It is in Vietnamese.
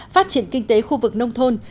phát triển kinh tế khu vực nông thôn